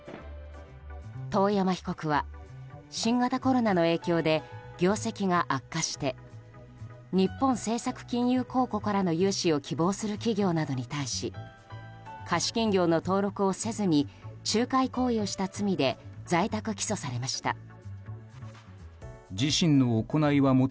遠山被告は新型コロナの影響で業績が悪化して日本政策金融公庫からの融資を希望する企業などに対し貸金業の登録をせずに仲介行為をした罪で在宅起訴されました。